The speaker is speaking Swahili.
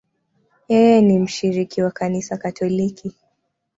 Yeye ni mshiriki wa Kanisa Katoliki.